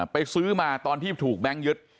ไปซื้อมาตอนที่ถูกแบงค์ยึด